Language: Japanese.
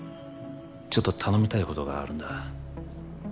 ちょっと頼みたいことがあるんだ